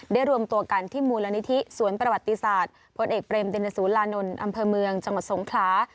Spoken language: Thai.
รวมตัวกันที่มูลนิธิสวนประวัติศาสตร์พลเอกเบรมตินสุรานนท์อำเภอเมืองจังหวัดสงขลา